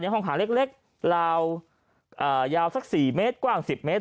ห้องขังเล็กลาวยาวสัก๔เมตรกว้าง๑๐เมตร